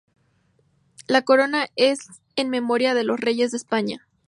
La Corona es en memoria de los Reyes de España.